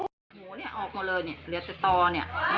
ออกมาเลยเรียบไว้ตอนนี้